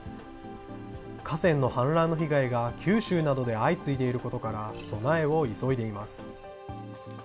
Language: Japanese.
河川の氾濫の被害が九州などで相次いでいることから、備えを急いでいます。